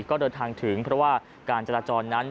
ก็เดินทางถึงเพราะว่าการจราจรนั้น